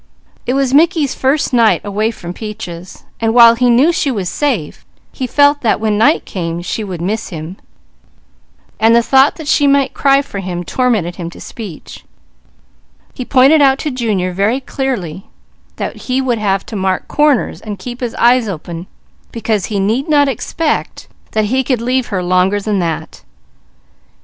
It was Mickey's first night away from Peaches, and while he knew she was safe, he felt that when night came she would miss him. The thought that she might cry for him tormented him to speech. He pointed out to Junior very clearly that he would have to mark corners and keep his eyes open because he need not expect that he could leave her longer than that.